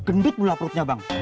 gendut pula perutnya bang